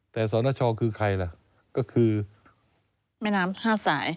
แต่สนชคือใครล่ะก็คือแม่น้ำห้าสาย